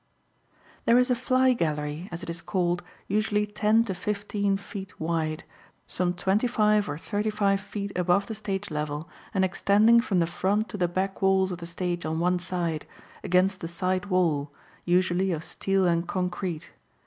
[Illustration: GRAND BALL ROOM IN NED WAYBURN STUDIOS] There is a "fly gallery," as it is called, usually ten to fifteen feet wide, some twenty five to thirty five feet above the stage level and extending from the front to the back walls of the stage on one side, against the side wall, usually of steel and concrete.